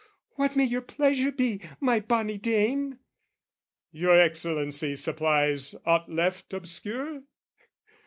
"What may your pleasure be, my bonny dame?" Your Excellency supplies aught left obscure?